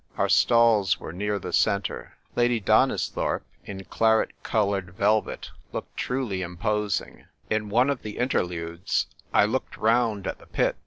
Our stalls were near the centre; Lady Donisthorpe in claret coloured velvet looked truly imposing. In one of the interludes I looked round at the pit.